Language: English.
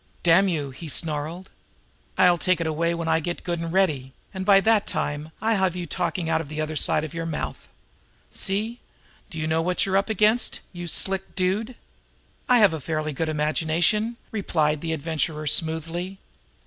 "Damn you!" he snarled. "I'll take it away when I get good and ready; and by that time I'll have you talking out of the other side of your mouth! See? Do you know what you're up against, you slick dude?" "I have a fairly good imagination," replied the Adventurer smoothly.